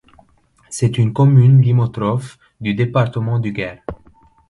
C'est une commune limitrophe du département du Gers.